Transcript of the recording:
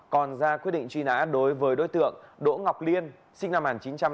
còn ra quyết định truy nã đối với đối tượng đỗ ngọc liên sinh năm một nghìn chín trăm tám mươi